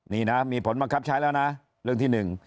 นี่นะมีผลบังคับใช้แล้วนะเรื่องที่๑